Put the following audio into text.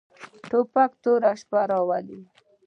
توپک توره شپه راولي.